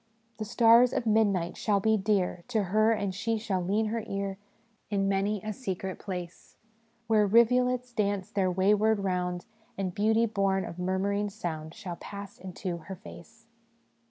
"' The stars of midnight shall be dear To her ; and she shall lean her ear In many a secret place Where rivulets dance their wayward round, And beauty born of murmuring sound Shall pass into her face.'